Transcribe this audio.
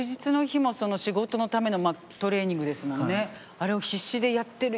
あれを必死でやってる。